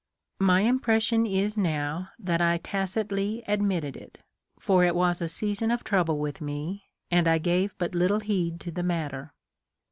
My impression is now that I tacitly admitted it, for it was a season of trouble with me, and I gave but little heed to the matter.